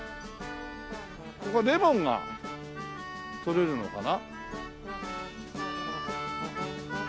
ここはレモンがとれるのかな？